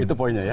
itu poinnya ya